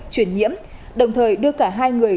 chuyển nhiễm đồng thời đưa cả hai người